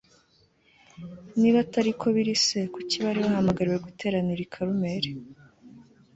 niba atari ko biri se kuki bari bahamagariwe guteranira i Karumeli